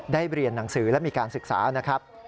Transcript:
เรียนหนังสือและมีการศึกษานะครับ